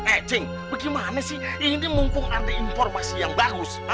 eh cing bagaimana sih ini mumpung ada informasi yang bagus